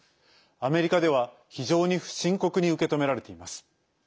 アメリカでは、非常に深刻に受け止められています。